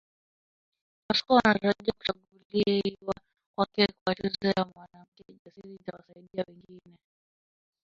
Pascoe anatarajia kuchaguliwa kwake kwa tuzo ya Mwanamke Jasiri itawasaidia wengine